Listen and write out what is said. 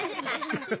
ハハハハッ。